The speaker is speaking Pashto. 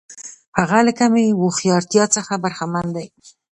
هغه له کمې هوښیارتیا څخه برخمن دی.